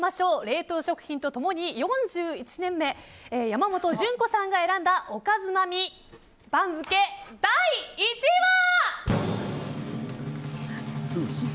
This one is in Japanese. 冷凍食品と共に４１年目山本純子さんが選んだおかづまみ番付、第１位は。